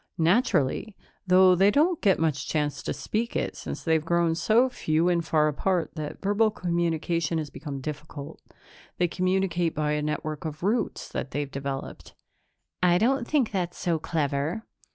"Naturally, though they don't get much chance to speak it, since they've grown so few and far apart that verbal communication has become difficult. They communicate by a network of roots that they've developed." "I don't think that's so clever."